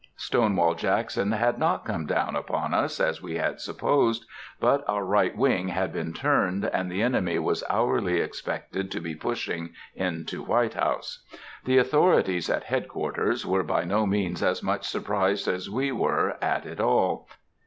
Stonewall Jackson had not come down upon us as we had supposed, but our right wing had been turned, and the enemy was hourly expected to be pushing into White House. The authorities at "Head quarters" were by no means as much surprised as we were at it all.